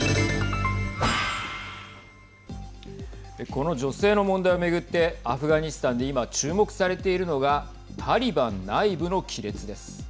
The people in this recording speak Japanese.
この女性の問題を巡ってアフガニスタンで今注目されているのがタリバン内部の亀裂です。